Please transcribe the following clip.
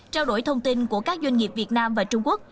trao đổi thông tin của các doanh nghiệp việt nam và trung quốc